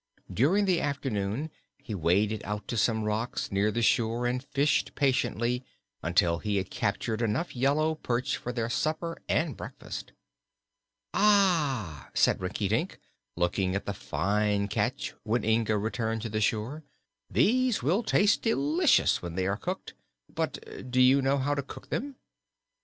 During the afternoon he waded out to some rocks near the shore and fished patiently until he had captured enough yellow perch for their supper and breakfast. "Ah," said Rinkitink, looking at the fine catch when Inga returned to the shore; "these will taste delicious when they are cooked; but do you know how to cook them?"